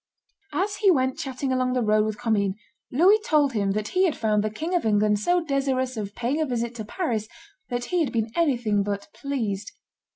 As he went chatting along the road with Commynes, Louis told him that he had found the King of England so desirous of paying a visit to Paris that he had been anything but pleased.